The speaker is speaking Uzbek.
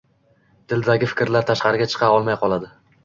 dilidagi fikrlar tashqariga chiqa olmay qoladi.